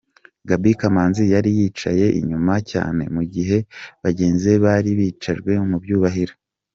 Gaby Kamanzi yari yicaye inyuma cyane mu gihe bagenzi be bari bicajwe mu byubahiro.